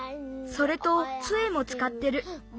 それとつえもつかってる。